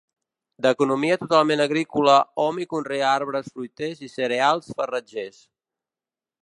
D'economia totalment agrícola, hom hi conrea arbres fruiters i cereals farratgers.